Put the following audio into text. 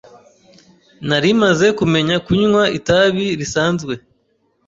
nari maze kumenya kunywa itabi risanzwe